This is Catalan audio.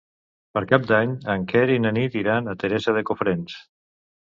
Per Cap d'Any en Quer i na Nit iran a Teresa de Cofrents.